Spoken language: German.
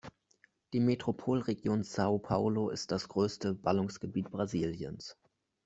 Die Metropolregion São Paulo ist das größte Ballungsgebiet Brasiliens.